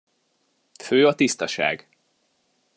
Fő a tisztaság!